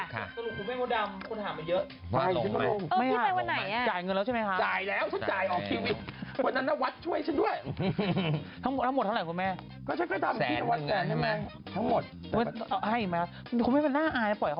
คุณไปมาดำคุณถามมาเยอะ